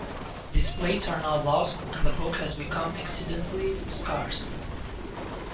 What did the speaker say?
These plates are now lost, and the book has become exceedingly scarce.